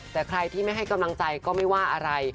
แต่ใครที่ไม่ให้กำลังใจก็ไม่ว่าอะไร